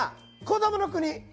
こどもの国。